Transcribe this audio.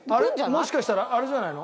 もしかしたらあれじゃないの？